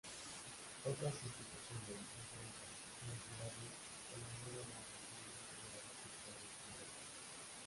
Otras instituciones, empresas y entidades colaboran al sostenimiento de las actividades generales.